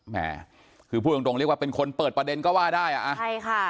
แม่คือพูดตรงตรงเรียกว่าเป็นคนเปิดประเด็นก็ว่าได้อ่ะใช่ค่ะ